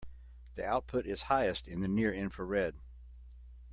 The output is highest in the near infrared.